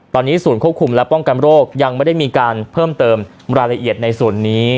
ตอนนี้ศูนย์ควบคุมและป้องกันโรคยังไม่ได้มีการเพิ่มเติมรายละเอียดในส่วนนี้